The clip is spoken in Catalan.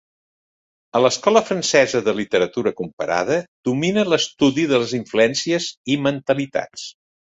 A l'Escola Francesa de Literatura Comparada domina l'estudi de les influències i mentalitats.